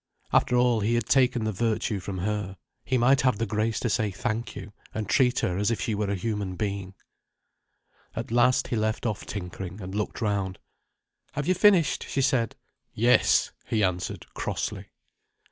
After all he had taken the virtue from her, he might have the grace to say thank you, and treat her as if she were a human being. At last he left off tinkering, and looked round. "Have you finished?" she said. "Yes," he answered crossly.